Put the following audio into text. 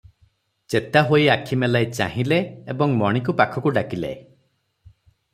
ଚେତା ହୋଇ ଆଖି ମେଲାଇ ଚାହିଁଲେ ଏବଂ ମଣିକୁ ପାଖକୁ ଡାକିଲେ ।